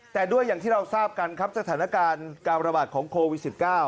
แต่ด้วยอย่างที่เราทราบกันครับสถานการณ์การระบาดของโควิด๑๙